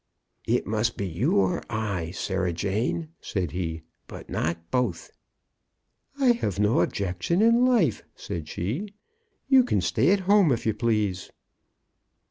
"It must be you or I, Sarah Jane," said he; "but not both." "I have no objection in life," said she; "you can stay at home, if you please."